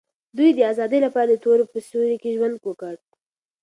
دوی د آزادۍ لپاره د تورو په سیوري کې ژوند وکړ.